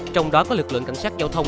trong đó có lực lượng cảnh sát giao thông